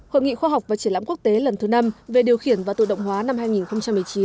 hội nghị khoa học và triển lãm quốc tế lần thứ năm về điều khiển và tự động hóa năm hai nghìn một mươi chín